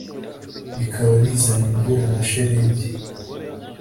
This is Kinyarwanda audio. bikaba bizana imvura na shelegi